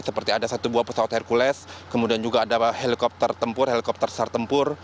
seperti ada satu buah pesawat hercules kemudian juga ada helikopter tempur helikopter sartempur